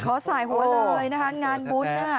สายหัวเลยนะคะงานบุญ